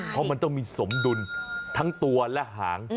เพราะมันต้องมีสมดุลทั้งตัวและหาง